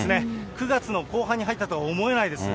９月の後半に入ったとは思えないです。